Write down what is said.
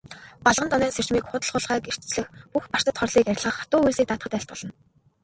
Балгандонойн сэржмийг худал хулгайг илчлэх, бүх барцад хорлолыг арилгах, хатуу үйлсийг даатгахад айлтгуулна.